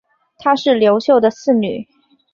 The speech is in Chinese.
她是刘秀的四女。